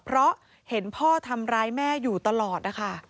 เพราะเห็นพ่อทำร้ายแม่อยู่ตลอดนะคะ